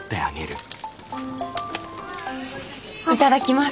いただきます。